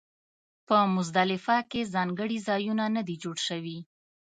په مزدلفه کې ځانګړي ځایونه نه دي جوړ شوي.